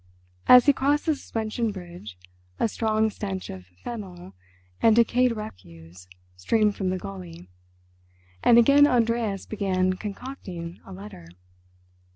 As he crossed the suspension bridge a strong stench of fennel and decayed refuse streamed from the gulley, and again Andreas began concocting a letter.